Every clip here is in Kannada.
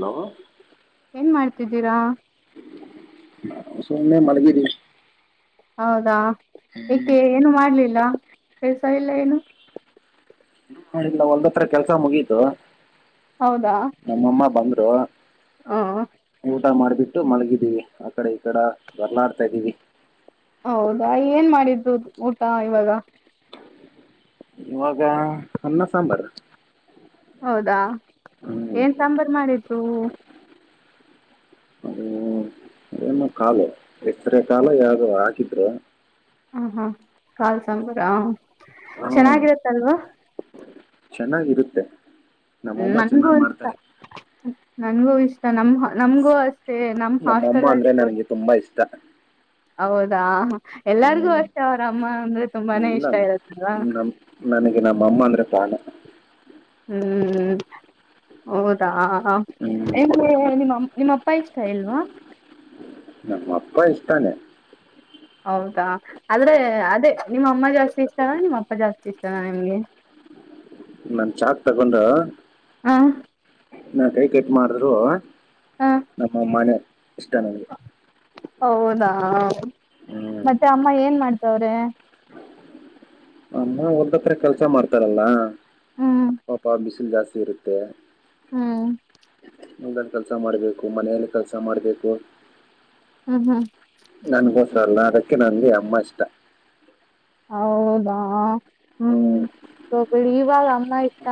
ಹಲೋ. ಏನ್ ಮಾಡ್ತಿದ್ದೀರಾ. ಸುಮ್ನೆ ಮಲ್ಗಿದಿವಿ. ಹೌದಾ. ಏಕೆ ಏನು ಮಾಡ್ಲಿಲ್ಲ. ಪೈಸ ಇಲ್ಲ ಏನು. ಡ್ಲ ಹೊಲ್ದತ್ರ ಕೆಲ್ಸ ಮುಗೀತು. ನಮ್ಮಮ್ಮ ಬಂದ್ರ್ ದೊ. ಹಾ ಹ. ಊಟ ಮಾಡ್ಬಿಟ್ಟು ಮಲಗಿದೀವಿ ಆಕಡೆ ಈ ಕಡ ಬದಲಾಡ್ತಾ ಇದ್ದೀವಿ ಹೌದಾ ಏನ್ ಮಾಡಿದ್ು ಊಟ ಇವಾಗ ಇವಾಗ ಅನ್ನ ಸಾಂಬಾರ ಹೌದಾ ಏನ್ ಸಾಂಬಾರು ಮಾಡಿದ್ದು ಅದ ಅದೇನು ಕಾಲು ಎಕ್ಸ್ರ ಕಾಲು ಯಾವ್ದ ಹಾಕಿದ್ರ ಹ ಹಾ ಕಾಲ್ಸಂಬ್ರ ಹ ಹ್ಮ್ ಚೆನ್ನಾಗಿರತ್ತ ಅಲ್ವ ಚೆನ್ನಾಗಿರುತ್ತೆ ಹ್ಮ ನಮ್ಮಮ್ಮ ನನ್ಗೂ ಚೆನ್ನಾಗಿ ಇಷ್ಟ ಮಾಡ್ತಾರೆ ನನ್ಗೂ ಇಷ್ಟ ನಮ ನಮಗೂ ಅಷ್ಟ ನಮ್ಮಮ್ಮ ಅಂದ್ರೆ ನನಗೆ ತುಂಬಾ ಇಷ್ಟ ಹೌದಾ ಎಲ್ಲಾರಿಗೂ ಹ್ಮ್ ಅಷ್ಟೇ ಅವರ ಅಮ್ಮ ಅಂದ್ರೆ ತುಂಬಾನೇ ಇಲ್ಲ ಇಷ್ಟ ಇರುತ್ತಲ್ವಾ ನಮ್ ನನಗೆ ನಮ್ಮಮ್ಮ ಅಂದ್ರೆ ಪ್ರಾಣ ಹ್ಮ್ ಹೌದಾ ಹ ಹ್ಮ್ ಎ ನಿಮ್ಮ ನಿಮ್ಮ ಅಪ್ಪ ಇಷ್ಟ ಇಲ್ವಾ ನ ಅಪ್ಪ ಇಷ್ಟಾನೇ ಹೌದಾ ಆದ್ರೆ ಅದೇ ನಿಮ್ಮ ಅಮ್ಮ ಜಾಸ್ತಿ ಇಷ್ಟದ ನಿಮ್ಮ ಅಪ್ಪ ಜಾಸ್ತಿ ಇಷ್ಟನ ನಿಮ್ಗೆ ನನ್ ಚಾಕ್ ತಗೊಂಡು ಹಾ ಹ್ಮ ನಾ ಕೈ ಕಟ್ ಮಾಡ್ರು ನಮ್ಮಮ್ಮನೆ ಇಷ್ಟ ನನಗೆ ಹೌದಾ ಹ್ಮ್ ಮತ್ತೆ ಅಮ್ಮ ಏನ್ ಮಾಡ್ತವ್ರೆ ಅಮ್ಮ ಒಲ್ದಾತ್ರ ಕೆಲ್ಸ ಮಾಡ್ತಾರಲ್ಲ ಹ್ಮ್ ಪಾಪ ಬಿಸಿ ಜಾಸ್ತಿರುತ್ತೆ ಹ್ಮ ಹೊಲದಲ್ಲಿ ಕೆಲಸ ಮಾಡ್ಬೇಕು ಮನೆಯಲ್ಲಿ ಕೆಲಸ ಮಾಡ್ಬೇಕು ಹ್ಮ್ ಹ್ಮ್ ನನ್ಗೋಸರ ಅಲ್ಲ ಅದಕ್ಕೆ ನಂಗೆ ಅಮ್ಮ ಇಷ್ಟ ಹೌದಾ ಹ್ಮ್ ಬಿಡಿ ಇವಾಗ ಅಮ್ಮ ಇಷ್ಟ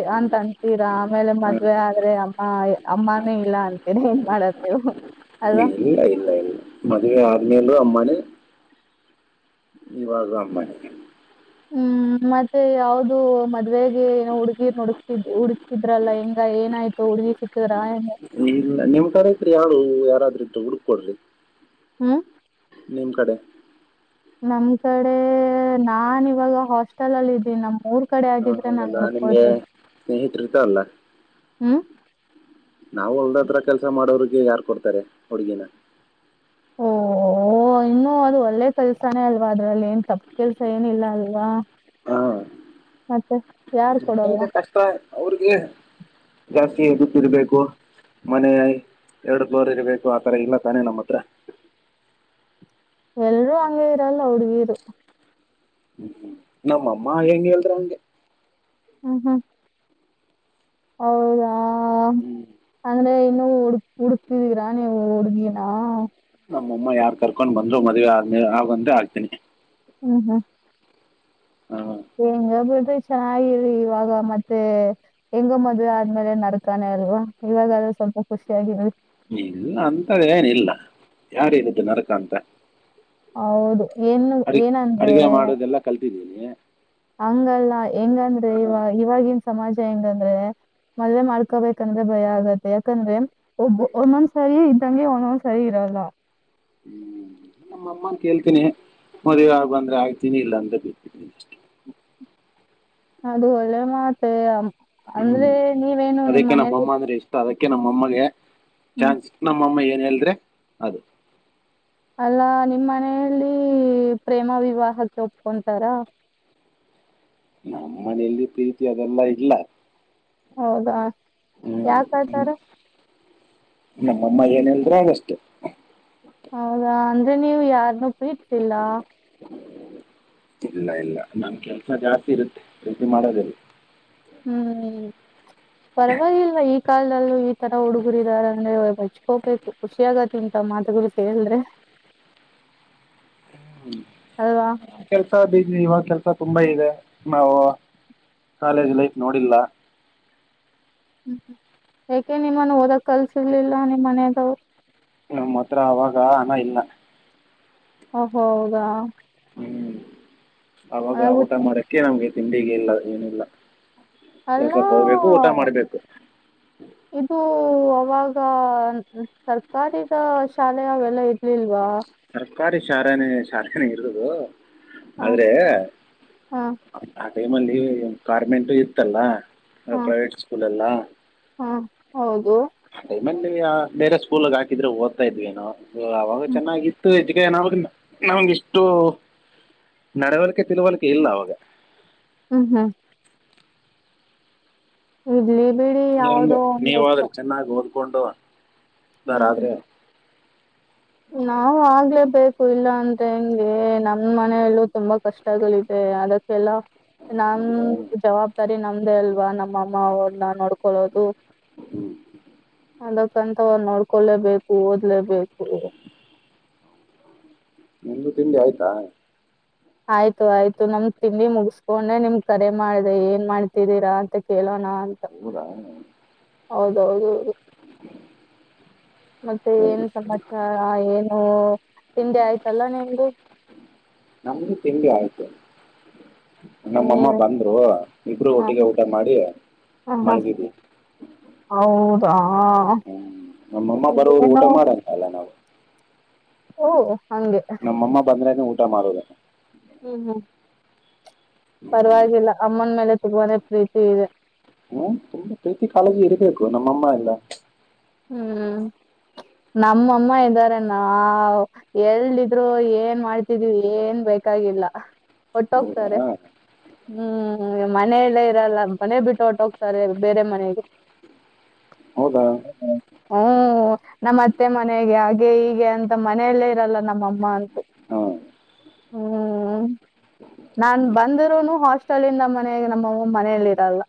ಅ ಅಂತ ಅನ್ಂತೀರಾ ಆಮೇಲೆ ಹ್ಮ್. ಮದ್ವೆ ಆದ್ರೆ ಅಮ್ಮ ಅಮ್ಮಾನೇ ಇಲ್ಲ ಅಂತೀರ ಏನ್ ಮಾಡದ್ ನೀವು ಅಲ್ವಾ ಮದ್ವೆ ಆದ್ಮೇಲೂ ಅಮ್ಮನೇ ಇವಾಗು ಅಮ್ಮನೇ ಹ್ಮ್ ಮತ್ತೆ ಯಾವ್ದ ಮದ್ವೆಗೆ ಏನೋ ಹುಡ್ಗಿರ್ ಹುಡುಕ್ತಿಡ್ ಹುಡ್ಕ್ತಿದ್ರಲ್ಲ ಹೆಂಗ ಏನಾಯ್ತು ಹುಡ್ಗಿ ಸಿಕ್ಕದ್ರ ಏನು ಇಲ್ಲ ನಿಮ್ ಕಡೆ ಇದ್ರೆ ಹೇಳಿ ಯಾರಾದ್ರೂ ಇದ್ರೆ ಹುಡ್ಕ್ ಕೊಡ್ರಿ ಹ್ಮ್ ನಿಮ್ ಕಡೆ ನಮ್ ಕಡೆ ನಾನ್ ಇವಾಗ ಹಾಸ್ಟೆಲ್ಲ್ಲಿ ಇದೀನಿ ನಮ್ಮ್ ಊರ್ ಕಡೆ ಹಾ, ಆಗಿದ ಹೌದಲ್ಲ ನಿಮ್ಗೆ ಸ್ನೇಹತ್ ಇದಾರಲ್ಲ ಅಲ್ಲ ಹ್ಮ್ ನಾವು ಒಲ್ದತ್ರ ಕೆಲ್ಸ ಮಾಡೋರ್ ಈಗ್ ಯಾರು ಕೊಡ್ತಾರೆ ಹುಡುಗಿನ ಓ ಇನ್ನುೂ ಅದು ಒಳ್ಳೆ ಕೆಲ್ಸಾನೇ ಅಲ್ವಾ ಅದ್ರಲ್ಲಿ ಏನ್ ತಪ್ಪ ಕೆಲ್ಸ ಏನಿಲ್ಲ ಅಲ್ವಾ ಮತ್ತೆ ಯಾರ್ ಹ ಕೊಡಲ್ವಾ ಕಷ್ಟ ಅವ್ರಿಗೆ ಜಾಸ್ತಿ ಗುತ್ತಿರ್ಬೇಕು ಮನೆ ಎರಡು ಫ್ಲೋರ್ ಇರ್ಬೇಕು ಆತರ ಇಲ್ಲ ತಾನೇ ನಮ್ಮ ಹತ್ರ ಎಲ್ರೂ ಹಂಗೆ ಇರಲ್ಲ ಹುಡ್ಗಿರು ನಮ್ಮಮ್ಮ ಹೆಂಗ್ ಹೇಳ್ರ ಹಂಗೆ ಹ್ಮ್ ಹ್ಮ ಹೌದಾ ಹ ಹ್ಮ್ ಅಂದ್ರೆ ಇನ್ನು ಹುಡಗತರಾ ನೀ ಒಡುಗೀಿನಾ ನಮ್ಮಮ್ಮ ಯಾರ್ ಕರ್ಕೊಂಡ್ ಬಂದ್ರು ಮದ್ವೆ ಆದ್ಮೇ ಆಗಂತ ಆಗ್ತೀನಿ ಹ್ಮ್ ಹ್ಮ್ ಹ ಹೆಂಗ ಬಿಡ್ರಿ ಚೆನ್ನಾಗಿರಿ, ಇವಾಗ ಮತ್ತೆ ಹೆಂಗ ಮದ್ವೆ ಆದ್ಮೇಲೆ ನರಕಾನೆ, ಅಲ್ವಾ ಇವಾಗ ಅದು ಸ್ವಲ್ಪ ಖುಷಿಯಾಗ್ರಿ. ಇಲ್ಲ ಅಂತದ ಏನ ಇಲ್ಲ. ಯಾರೇನ್ದ ನರಕ ಅಂತ? ಹೌದು ಏನು ಅ ಏನಂದ್ರೆ ಅಡಗೆ ಮಾಡೋದೆಲ್ಲಾ ಕಲ್ ಸರಿೀನ ಹಂಗಲ್ಲ ಹೆಂಗ ಅಂದ್ರೆ ಇವ ಇವಾಗಿ ಸಮಾಜ ಹೆಂಗಂದ್ರೆ ಮಲ್ಲೆ ಮಾಡ್ಕೋಬೇಕಂದ್ರೆ ಭಯ ಆಗತ್ತೆ ಯಾಕಂದ್ರೆ ಒಬ್ಬ ಒಂದೊಂದ್ ಸರಿ ಇದ್ದಂಗೆ ಒಂದೊಂದ್ ಸರಿ ಇರಲ್ಲ ಹ್ಮ್ ನಮ್ಮ ಅಮ್ಮ ಕೇಳ್ತೇನೆಿ, ಮದ್ವೆ ಆಗು ಅಂದ್ರೆ ಆಗ್ತೀನಿ ಇಲ್ಲ ಅಂತಿ [inaudible] ಅದು ಒಳ್ಳೆ ಮಾತ ಅ ಹ್ಮ್ ಅಂದ್ರೆ ನೀವೇನು ನಿಮ್ಮ್ ಮನೇೆಯಲ್ಲಿ ನಮ್ಮ ಅಮ್ಮಗೆ ಚಾನ್ಸ್ ನಮ್ಮ ಅಮ್ಮ ಹೇಲ್ದ್ರೆ ಅದು. ಅಲ್ಲಾ ನಿಮ್ಮ್ ಮನೆಯಲ್ಲಿ ಪ್ರೇಮ ವಿವಾಹ ಒಪ್ಕೊಂತಾರ? ನಮ್ಮ್ ಮನೆಯಲ್ಲಿ ಪ್ರೀತಿ ಅದೆಲ್ಲಾ ಇಲ್ಲ. ಹೌದಾ ಯಾಕ ಹ್ಮ್ ಆತಾರ? ನಮ್ಮಮ್ಮ ಏನಲ್ದ್ರ ಆದಷ್ಟೆ ಹೌದಾ ಅಂದ್ರೆ ನೀವು ಯಾರನ್ನು ಪೀತ್ಸಿಲ್ಲ? ಇಲ್ಲ ಇಲ್ಲ ನಮ ಕೆಲ್ಸ ಜಾಸ್ತಿ ಇರುತ್ತೆ ರೀತಿ ಮಾಡೋದಿಲ್ಲ. ಹ್ಮ್ ಪರವಾಗಿಲ್ವಾ ಈ ಕಾಲ್ದಲ್ಲೂ ಈ ತರ ಹುಡುಗರ ಇದಾರ, ಅಂದ್ರೆ ಮೆಚ್ಕೋಬೇಕು, ಖುಷಿ ಆಗತಿ ಇಂತ ಮಾತುಗಳು ಕೇಳಿದ್ರೆ ಅಲ್ವಾ? ಕೆಲ್ಸದ ಇವಾಗ ಕೆಲ್ಸ ತುಂಬಾ ಇದೆ ನಾವು ಕಾಲೇಜ್ ಲೈಫ್ ನೋಡಿಲ್ಲ. ಹ್ಮ್ ಹ್ಮ್ ಯಾಕೆ ನಿಮ್ಮನ್ನು ಓದಕ್ ಕಲ್ಸಿರ್ಲಿಲ್ಲ ನಿಮ್ಮ ಮನದಾವ್ರು? ನಮ್ಮ್ ಹತ್ರ ಅವಾಗ ಹನ ಇಲ್ಲ ಹೌದಾ ಹ್ಮ್ ಅವಾಗ ಆ ಊಟ ಮಾಡಕ್ಕೆ ನಮಗೆ ತಿಂಡಿಗೆ ಇಲ್ಲ ಏನಿಲ್ಲ, ಅಲ್ಲ ಕೆಲ್ಸಕ್ಕೆ ಹೋಗ್ಬೇಕು ಊಟ ಮಾಡ್ಬೇಕು. ಇದು ಅವಾಗ ಸರ್ಕಾರಿದ ಶಾಲೆಯೆಲ್ಲ ಇರ್ಲಿಲ್ವಾ? ಸರ್ಕಾರಿ ಶಾಲೆನೇ ಶಾಲೆನೇ ಇರದು ಹ ಆದ್ರೆ, ಹ ಟೈಮಲ್ಲಿ ಕಾರ್ಮೆಂಟು ಇತ್ತಲ್ಲ? ಹ ಪ್ರೈವಟ್ ಸ್ಕೂಲ್ ಎಲ್ಲ, ಹ ಹೌದು ಮೊನ್ನೇ ಬೇರೆ ಸ್ಕೂಲ್ಗ್ ಹಾಕಿದ್ರೆ ಓದ್ತಾ ಇದ್ರೇನೋ ಅವಾಗ ಹ್ಮ್ ಚೆನ್ನಾಗಿತ್ತು [unintelligible] ನಮಗೆ ಇಷ್ಟು ನಡವಳಿಕೆ ತಿಳುವಳಿಕೆ ಇಲ್ಲ ಅವಾಗ ಹ್ಮ್ ಹ್ಮ್ ಇರ್ಲಿ ಬಿಡಿ ಬಿಡಿ ಹೆಂಗ ಯಾವ್ದೋ ಗೊತ್ತ ನೀವಾದ್ರೆ ಚೆನ್ನಾಗಿ ಓದ್ಕೊಂಡು ಉದ್ದಾರ ಆದ್ರೆ ನಾವ್ ಆಗ್ಲೇಬೇಕು ಇಲ್ಲ ಅಂದ್ರ ಹೆಂಗೆ ನಮ ಮನೆಯಲ್ಲೂ ತುಂಬಾ ಕಷ್ಟಗಳಿದೆ ಅದಕ್ಕೆಲ್ಲ ಹೌದಾ ನಮ್ದು ಜವಾಬ್ದಾರಿ. ನಮ್ದೇ ಅಲ್ವಾ ನಮ್ಮಅಮ್ಮ ಅವ್ರನ್ನ ನೋಡ್ಕೊಳ್ಳೋದು ಹ್ಮ್ ಅದಕ್ಕಂತ ನೋಡ್ಕೊಲೇಬೇಕು ಓದ್ಲೇಬೇಕು ನಿಂದು ತಿಂಡಿ ಆಯ್ತಾ ಆಯ್ತು ಆಯ್ತು ನಮ್ ತಿಂಡಿ ಮುಗಸ್ಕೊಂಡೆ ನಿಮ್ ಕರೆ ಮಾಡ್ರಿ ಏನ್ ಮಾಡ್ತಿದ್ದೀರಾ ಅಂತ ಕೇಳೋಣ ಹಣ ಅಂತ ಹೌದಾ ಹೌದೌದ ಹೌದು ಮತ್ತೆ ಏನ್ ಸರಿ ಸರಿ ಸಮಾಚಾರ ಏನು ತಿಂಡಿ ಆಯ್ತಲ್ಲ ನಿಮ್ದು ನಮಗೂ ತಿಂಡಿ ಆಯ್ತು ನಮ್ಮಮ್ಮ ನೀವ ಬಂದ್ರು ಇಬ್ರು ಹ ಒಟ್ಟಿಗೆ ಊಟ ಮಾಡಿ ಹ ಮಲಗಿದಿವಿ ಹಾ ಹ್ಮ್ ನಮ್ಮಮ್ಮ ಬರೋವರು ಊಟ ಮಾಡಲ್ಲ ಅಲ್ಲ ನಾವು ಓಹೋ ನಮ್ಮ ಅಮ್ಮ ಬಂದ್ರೆ ಊ ಊಟ ಮಾಡೋದು ಹ್ಮ್ ಹ್ಮ್ ಪರವಾಗಿಲ್ಲ ಅಮ್ಮನ ಮೇಲೆ ತುಂಬಾನೇ ಪ್ರೀತಿ ಇದೆ ಹ್ಮ್ ತುಂಬಾ ಪ್ರೀತಿ ಕಾಳಜಿ ಇರ್ಬೇಕು ನಮ್ಮಮ್ಮ ಎಲ್ಲ ಹ್ಮ್ ನಮ್ಮಮ್ಮ ಇದ್ದಾರೆ ನಾ ಎಲ್ಲಿದ್ದರೂ ನಾವು ಏನ್ ಮಾಡ್ತಿದ್ವಿ ಏನ್ ಬೇಕಾಗಿಲ್ಲ ಹೌದಾ ಒಟ್ಟೋಗ್ತಾರೆ ಹ್ಮ್ ಮನೆಯಲ್ಲೇ ಇರಲ್ಲ ಮನೆ ಬಿಟ್ಟು ಹೊಟ್ಟ ಹೋಗ್ತಾರೆ ಬೇರೆ ಮನೆಗೆ ಹೌದಾ ಹ್ಮ್ ನಮ್ಮ ಅತ್ತೆ ಮನೆಗೆ ಹಾಗೆ ಹೀಗೆ ಅಂತ ಮನೆಯಲ್ಲೇ ಇರಲ್ಲ ನಮ್ಮಮ್ಮ ಅಂತೂ ಹಾ ಹ್ಮ್ ನಾನ್ ಬಂದರೂನು ಹಾಸ್ಟೆಲ್ನಿಂದ ಮನೆಗೆ ನಮ್ಮಮ್ಮ ಮನಲಿ ಇರಲ್ಲ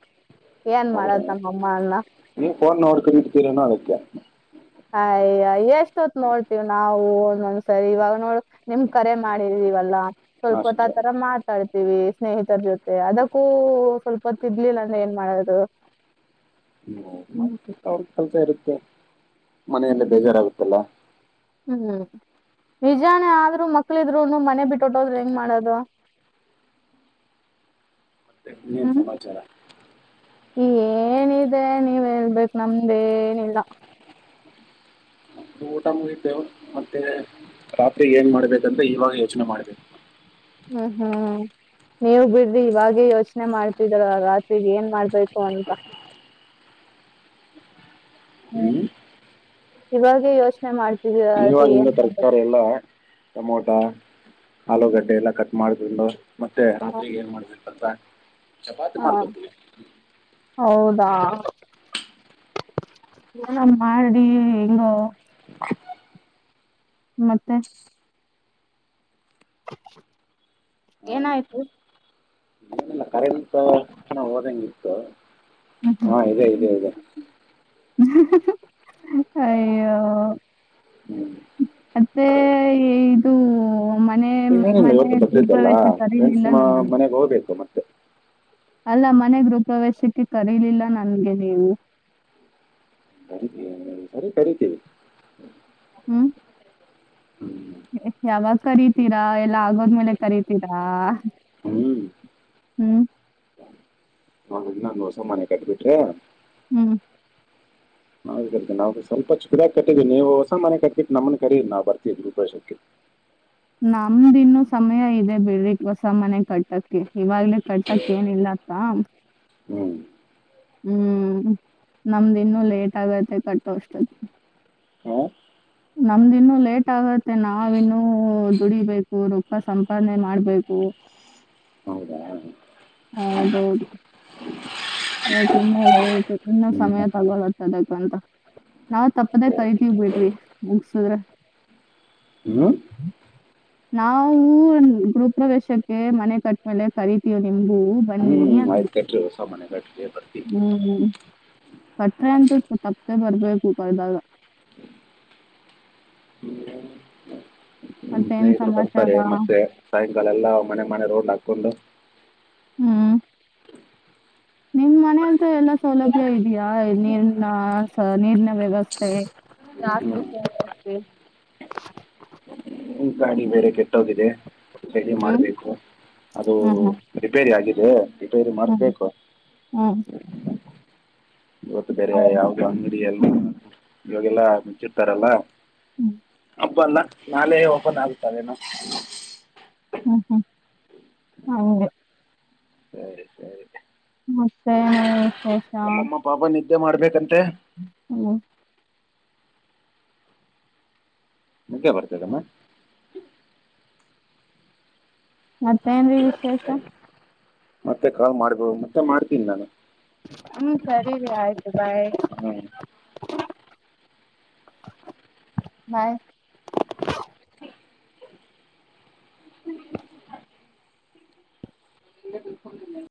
ಏನ್ ಮಾಡೋದು ನಮ್ಮಅಮ್ಮ ನ ನೀ ಫೋನ್ ನೋಡ್ಕರಿ ಇಡ್ತೀರೇನೋ ಅದಕ್ಕೆ ಅಯ ಎಷ್ಟ ಹೊತ್ ನೋಡ್ತೀವ್ ನಾವು ಒಂದೊಂದ್ಸರಿ ಇವಾಗ ನೋಡ್ ನಿಮ್ ಕರೆ ಮಾಡಿದೀವಲ್ಲಾ ಸ್ವಲ್ಪ ಹೊತ್ ಆ ಅಷ್ಟೇ ತರ ಮಾಡ ತಾಡ್ತೀವಿ ಸ್ನೇಹಿತರ ಜೊತೆ ಅದಕ್ಕೂ ಸ್ವಲ್ಪ ತಿರ್ಲಿಲ್ಲ ಅಂದ್ರೆ ಏನ್ ಮಾಡೋದು ನಮ ಅವ್ರ ಕೆಲ್ಸ ಇರುತ್ತೆ ಮನೆಯಲ್ಲ ಬೇಜಾರಾಗುತ್ತಲ್ಲ, ಹ್ಮ್ ನಿಜಾನೇ, ಆದ್ರು ಮಕ್ಳ ಇದ್ರುನು ಮನೆ ಬಿಟ್ಟುಟ್ಟೋದ್ರು ಹೆಂಗ್ ಮಾಡದು ಇನ್ನೇನು ಹ್ಮ್ ಸಮಾಚಾರ ಏನಿದೆ, ನೀವ್ ಹಳ್ಬೇಕು ನಮ್ದೇನಿಲ್ಲ ಊಟ ಮುಗಿತೇವೆ ಮತ್ತೆ ರಾತ್ರಿ ಏನ್ ಮಾಡ್ಬೇಕಂತ ಇವಾಗ ಯೋಚನೆ ಮಾಡ್ಬೇಕು? ಹ್ಮ್ ಹ್ಮ್್ಮ ನೀವ್ ಬಿಡ್ರಿ ಇವಾಗೇ ಯೋಚನೆ ಮಾಡ್ತಿದರ ರಾತ್ರಿಗ್ ಏನ್ ಮಾಡ್ಬೇಕು ಅಂತ ಹ್ಮ್ ಇವಾಗೇ ಯೋಚನೆ ಮಾಡ್ತ. ಇವವಾಗಿಂದ ತರಕಾರಿ ಎಲ್ಲ ಟೊಮೊಟೊ ಆಲೂಗಡ್ಡೆ ಎಲ್ಲ ಕಟ್ ಮಾಡಕೊಂಡು ಮತ್ತೆ ಹ, ರಾತ್ರಿರಿಗೆ ಏನ್ ಮಾಡ್ಬೇಕು? ಅ ಚಪಾತಿ ಹ, ಮಾಡ್ಕೊತೀವಿ. ಹೌದಾ ಮಾಡಿ ಹೆಿಂಗ. ಮತ್ತೆ ಏನಾಯ್ತು? ಇಲ್ಲ ಕರೆಂಟ್ ಓದಂಗ ಇತ್ತು ಮತ್ತೆ ಅಯ್ಯ ಹ್ಮ್ ಮತ್ತೆ ಇದು ಮನೆ ಏನಿಲ್ಲ, ಮನೆ ಇವತ್ತು ಗೃಹ ಬಸ್ಿದ್ದಲ್ಲ ಪ್ರವೇಶ ಫ್ರೆಂಡ್ಸ್ ಕರೀಲಿಲ್ಲ ನನ್ನನ್ನ ಮನೆಗೆ ಹೋಗ್ಬೇಕು ಮತ್ತೆ ಅಲ್ಲ ಮನೆ ಗೃಪ್ರವೇಶಕ್ಕೆ ಕರೀಲಿಲ್ಲ ನನ್ಗೆ ನೀವು. ಸರಿ ಕರಿತೀವಿ ಹ್ಮ್ ಹ್ಮ್ ಯಾವಾಗ ಕರಿತೀರಾ ಎಲ್ಲ ಆಗೋದ್ಮೇಲೆ ಕರಿತೀರಾ ಹ್ಮ್ ಹ್ಮ್ ನಾನುಸ ಮನೆ ಕಟ್ಬಿಟ್ರೆ ಹ್ಮ್ ನಾವೀ ನಾವು ಸ್ವಪ ಚಿಡಾಗಿ ಕಟ್ಟಿದ್ದೀವಿ ನೀವು ಹೊಸ ಮನೆ ಕಟ್ಬಿಟ್ಟು ನಮ್ಮನನ್ ಕರೀಿ ನಾ್ ಬರ್ತಿದ್ ರ ಗೃಹ ಪ್ರವೇಶಕ್ಕೆ ನಮ್ದಿನ್ನು ಸಮಯ ಇದೆ, ಬಿಡ್ರಿಕ್ ಹೊಸ ಮನೆ ಕಟ್ಟಕ್ಕೆ ಇವಾಗ್ಲೇ ಕಟ್ಟಕ್ ಏನಿಲ್ಲತ್ತ ಹ್ಞೂ ಹ್ಮ್ ನಮ್ದಿನ್ನುೂ ಲೇಟ್ ಆಗತ್ತತೆ ಕಟ್ಟೋಷ್ಟತ್ ಹಾಂ ನಮ್ದಿನ್ನುೂ ಲೇಟ್ ಆಗತ್ತೆ ನಾವಿನ್ನುೂ ದುಡಿಬೇಕು ರೊಖ ಸಂಪಾದನೆ ಮಾಡ್ಬೇಕು ಹೌದಾ ಹೌದೌದು ಅ ಇನ್ನು ಲೇಟ್, ಇನ್ನು ಸಮಯ ಹ್ಞೂ ತಗೊಳತ್ತ ಅದಕ್ಕಂತ ನಾವ್ ತಪ್ಪದೇ ಕರಿತೀವಿ ಬಿಡ್ರಿ, ಮುಗಸುದ್ರ ಹ್ಞೂ ನಾಾವವು ಗೃಹಪ್ರವೇಶಕ್ಕೆ ಮನೆ ಕಟ್ಟ್ಮೇಲೆ ಕರಿತೀವ ನಿಮು ಹ್ಮ್ ಆಯ್ತ್ ಕಟ್ಟ್ರಿ ಸ ಮನೆ ಕಟ್ಟ್ರಿ ಎ ಹ್ಮ್ ಕಟ್ರೆ ಅಂತ ತಪ್ಪೇ ಬರ್ಬೇಕು ಕಾಯದಾಗ ನಿಮ್ಮ ಮತ್ತೆ ಎನ್ ಸ್ನೇಹಿತರು ಬರ್ತಾರೆ ಮತ್ತೆ, ಸಾಯಂಕಾಲ ಎಲ್ಲ ಮನೆ ಮನೆ ರೋಡ್ ಆಗ್ತ ಕೊಲ್ಲ ಹ್ಮ್ ನಿಮ್ ಮನ ಅಂತ ಎಲ್ಲಾ ಸೌಲಭ್ಯ ಇದೆಯಾ ನೀರ್ನ ನೀರಿನ ವ್ಯವಸ್ಥೆ ಹ್ಞೂ ಜಾಸ್ತಿ್ಯ, ಗಿ ಬೇರೆ [inaudible] ರೆಡಿ ಹ್ಮ್ ಮಾಡಬೇಕು ಅದು ಹ್ಮ್ ರಿಪೇರಿ ಆಗಿತ್ತು ಏಳ ರಿಪೇರ್ ಹ್ಮ್ ಮಾಡಸ್ಬೇಕು ಹ್ಮ್ ಹ್ಮ್ ಇವತ್ತು ಬೇರೆ ಯಾವ ಹೌದು ಯಾವದು ಅಂಗಡಿ ಇಲ್ವಾ ಇವಾಗೆಲ್ಲಾ ಮುಂಚಿರ್ತಾರಲ್ಲ ಹ್ಮ್ ಹಬ್ಬಲ್ಲ ನಾಳೆ ಓಪನ್ ಆಗ್ತಾರೆೇನೋ ಹ್ಮ್ ಹ್ಮ್ ಅಂಗೆ ಮತ್ತೆ ನೋ [unintelligible] ಅಮ್ಮ ಪಾಪ ನಿದ್ದೆ ಮಾಡ್ಬೇಕಂತೆ ಹ್ಮ್ ನಿದ್ದೆ ಬರ್ತದೆ ಅಮ್ಮ ಮತ್ತೇನ್ರೀ ವಿಶೇಷ ಮತ್ತೆ ಕಾಲ್ ಮಾಡ್ದೋ ಮತ್ತೆ ಮಾಡ್ತೀನಿ ನಾನು ಹ್ಮ್ ಸರಿ ರ ಆಯ್ತು ಬಾಯ್ ಹ್ಞೂ ಬಾಯ್ ಇಲ್ಲೇ ಬಿದ್ದುಕೊಂಡಿಲ್ಲೇನು